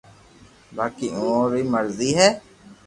باقي اووہ روي مرزو ھي